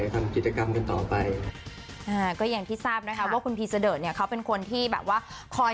แล้วสิ้นเดือนเนี่ยผมก็ต้องไปทำบุญที่นั้นด้วย